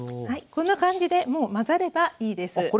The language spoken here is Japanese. はいこんな感じでもう混ざればいいです。